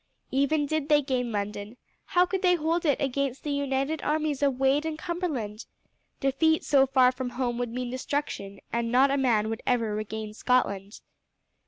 Even did they gain London, how could they hold it against the united armies of Wade and Cumberland? Defeat so far from home would mean destruction, and not a man would ever regain Scotland.